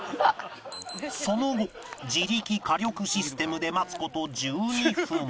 その後自力火力システムで待つ事１２分